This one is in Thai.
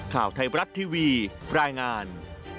ข่าวไทยบรัฐทีวีรายงาน